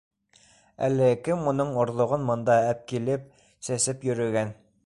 Әле кем уның орҙоғон мында әпкилеп сәсеп йөрөгән?